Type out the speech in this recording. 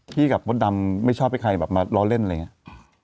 พี่กับพ่อดำไม่ชอบให้ใครมาเล่าเล่นอะไรอย่างนี้